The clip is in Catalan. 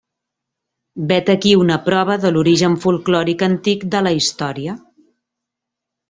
Vet aquí una prova de l'origen folklòric antic de la història.